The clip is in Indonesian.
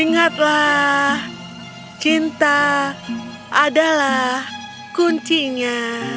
ingatlah cinta adalah kuncinya